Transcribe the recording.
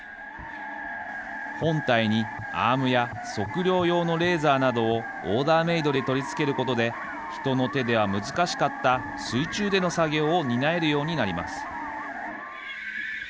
本体にアームや測量用のレーザーなどをオーダーメイドで取り付けることで人の手では難しかった水中での作業を担えるようになります。